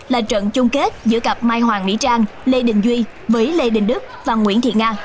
là trận chung kết giữa cặp mai hoàng mỹ trang lê đình duy với lê đình đức và nguyễn thị nga